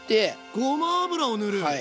ごま油を塗る⁉はい。